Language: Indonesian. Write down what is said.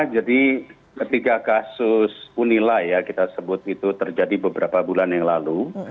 jadi ketika kasus unilai ya kita sebut itu terjadi beberapa bulan yang lalu